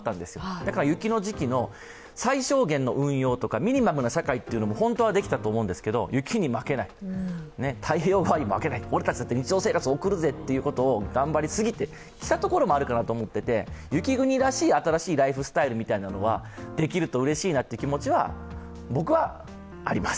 だから雪の時期の最小限の運用とか、ミニマムな社会というのも本当はできたと思うんですけれども雪に負けない、太平洋側に負けない、俺たちだって日常生活を送るぜというところを頑張りすぎてきたところもあるかなと思っていて、雪国らしい新しいライフスタイルみたいなものができるとうれしいなと、僕はあります。